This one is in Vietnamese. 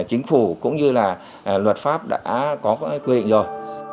mà chính phủ cũng như là luật pháp đã có cái quy định rồi